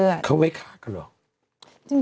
เขาเอาไว้ฆ่ากันเหรอ